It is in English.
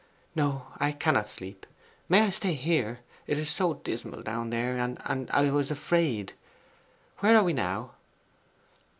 'No: I cannot sleep. May I stay here? It is so dismal down there, and and I was afraid. Where are we now?